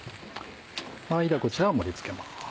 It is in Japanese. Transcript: ではこちらを盛り付けます。